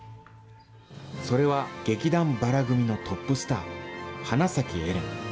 それは、劇団薔薇組のトップスター、花咲エレン。